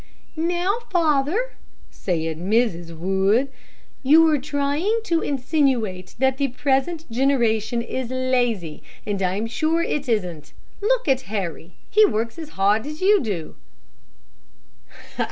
"Now, father," said Mrs. Wood, "you are trying to insinuate that the present generation is lazy, and I'm sure it isn't. Look at Harry. He works as hard as you do."